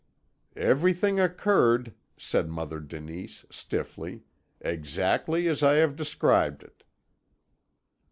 "Everything occurred," said Mother Denise stiffly, "exactly as I have described it."